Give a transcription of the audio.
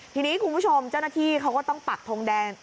ทีนี้คุณผู้ชมเจ้าหน้าที่เขาก็ต้องปักทงแดง